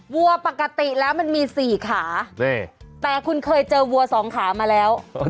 วัวปกติแล้วมันมี๔ขาแต่คุณเคยเจอวัวสองขามาแล้ว